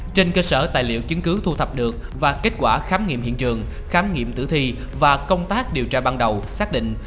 trên cơ sở tài liệu chứng cứ thu thập được và kết quả khám nghiệm hiện trường khám nghiệm tử thi và công tác điều tra ban đầu xác định